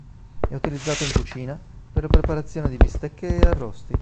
È utilizzato in cucina per la preparazione di bistecche e arrosti.